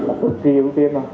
là phần triệu tiên